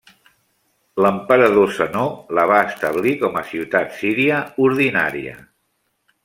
L'emperador Zenó la va establir com a ciutat síria ordinària.